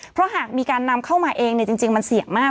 เพราะหากมีการนำเข้ามาเองจริงมันเสี่ยงมาก